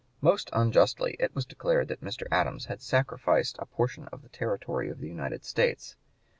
Most unjustly it was declared that Mr. Adams had sacrificed a portion of the territory of the United States.